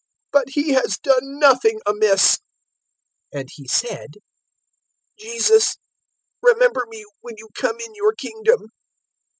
But He has done nothing amiss." 023:042 And he said, "Jesus, remember me when you come in your Kingdom."